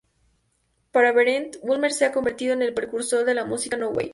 Para Berendt, Ulmer se ha convertido "en el precursor de la música "no wave".